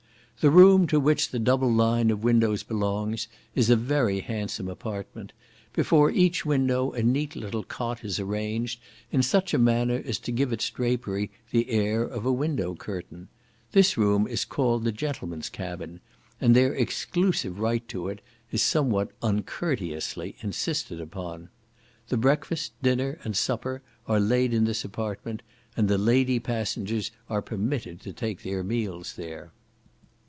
The room to which the double line of windows belongs, is a very handsome apartment; before each window a neat little cot is arranged in such a manner as to give its drapery the air of a window curtain. This room is called the gentlemen's cabin, and their exclusive right to it is somewhat uncourteously insisted upon. The breakfast, dinner, and supper are laid in this apartment, and the lady passengers are permitted to take their meals there.